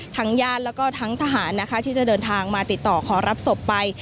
ญาติแล้วก็ทั้งทหารนะคะที่จะเดินทางมาติดต่อขอรับศพไป